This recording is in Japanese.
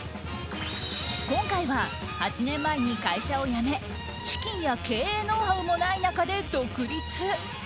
今回は、８年前に会社を辞め資金や経営ノウハウもない中で独立。